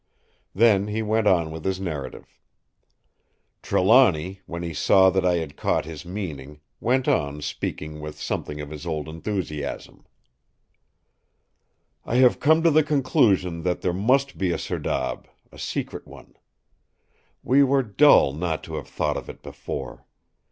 Then he went on with his narrative: "Trelawny, when he saw that I had caught his meaning, went on speaking with something of his old enthusiasm: "'I have come to the conclusion that there must be a serdab—a secret one. We were dull not to have thought of it before.